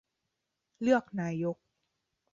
-เลือกนายก